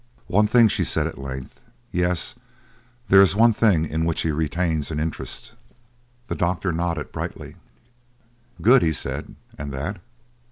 "One thing," she said at length. "Yes, there is one thing in which he retains an interest." The doctor nodded brightly. "Good!" he said. "And that